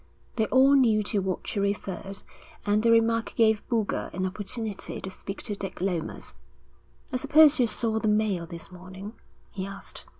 They all knew to what she referred, and the remark gave Boulger an opportunity to speak to Dick Lomas. 'I suppose you saw the Mail this morning?' he asked.